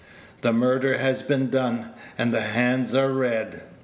The murder has been done, and the hands are red.